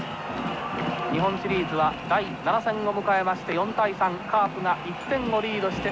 日本シリーズは第７戦を迎えまして４対３カープが１点をリードして